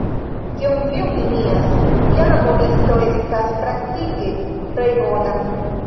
Kion vi opinias, kia laboristo estas praktike plej bona?